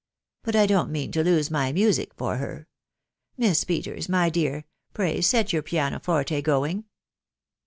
But 1 don't mean to lose my music for her .... Miss Peters, my dear — pray set your piano forte going."